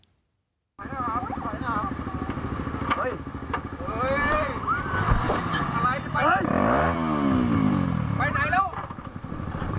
สัตว์เลย